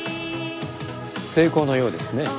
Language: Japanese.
成功のようですね。